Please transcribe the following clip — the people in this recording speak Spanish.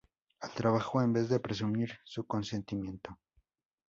Al Trabajo, en vez de presumir su consentimiento.